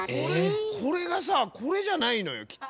これがさこれじゃないのよきっと。